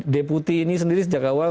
deputi ini sendiri sejak awal